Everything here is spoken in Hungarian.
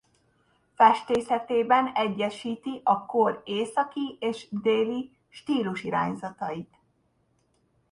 Festészetében egyesíti a kor északi és déli stílusirányzatait.